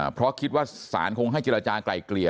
เพราะคิดว่าสารคงให้จิตราจารย์ไกลเกลียด